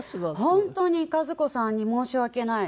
本当に和子さんに申し訳ない。